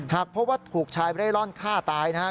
หากพบว่าถูกใช้เร่ล่อนฆ่าตายนะครับ